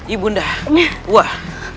ibu nda buah